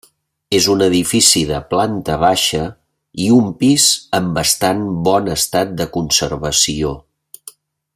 És un edifici de planta baixa i un pis en bastant bon estat de conservació.